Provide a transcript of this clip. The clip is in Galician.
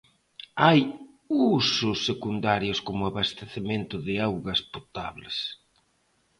Hai usos secundarios como abastecemento de augas potables.